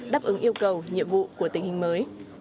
đáp ứng yêu cầu nhiệm vụ của tình hình mới